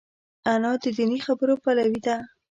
انا د دیني خبرو پلوي ده